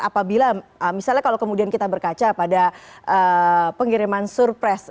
apabila misalnya kalau kemudian kita berkaca pada pengiriman surpres